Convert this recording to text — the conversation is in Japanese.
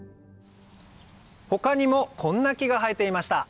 他にもこんな木が生えていました